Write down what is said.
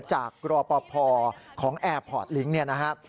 แหละจากรอปภของแอร์พอสต์ลิ๊งข์